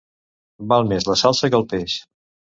Val més la salsa que el peix.